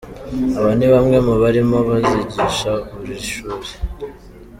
Aba ni bamwe mu barimu bazigisha muri iri shuri.